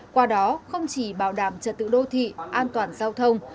qua đó không chỉ bảo đảm trật tự đô thị an toàn giao thông